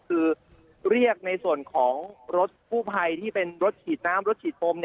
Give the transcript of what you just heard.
คือเรียกในส่วนของรถกู้ภัยที่เป็นรถฉีดน้ำรถฉีดฟม